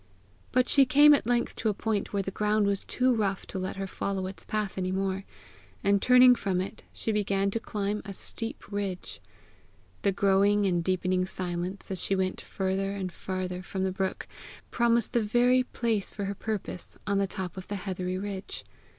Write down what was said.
But she came at length to a point where the ground was too rough to let her follow its path any more, and turning from it, she began to climb a steep ridge. The growing and deepening silence as she went farther and farther from the brook, promised the very place for her purpose on the top of the heathery ridge.